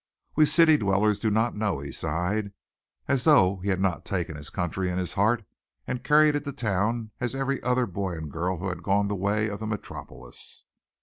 "We city dwellers do not know," he sighed, as though he had not taken the country in his heart and carried it to town as had every other boy and girl who had gone the way of the metropolis.